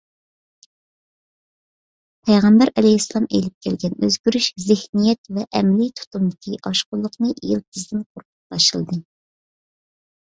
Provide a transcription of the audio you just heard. پەيغەمبەر ئەلەيھىسسالام ئېلىپ كەلگەن ئۆزگىرىش زېھنىيەت ۋە ئەمەلىي تۇتۇمدىكى ئاشقۇنلۇقنى يىلتىزىدىن قۇرۇتۇپ تاشلىدى.